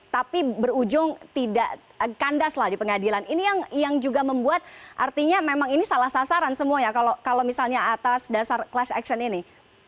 tapi berujung tidak kandas lah di pengadilan ini yang juga membuat artinya memang ini salah sasaran semua ya kalau misalnya atas dasar class action ini